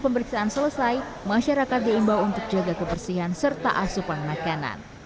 pemeriksaan selesai masyarakat diimbau untuk jaga kebersihan serta asupan makanan